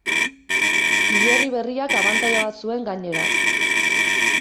Hilerri berriak abantaila bat zuen gainera.